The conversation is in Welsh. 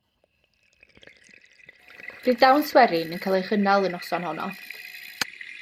Bydd dawns werin yn cael ei chynnal y noson honno.